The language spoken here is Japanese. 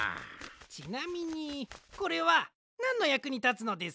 ちなみにこれはなんのやくにたつのですか？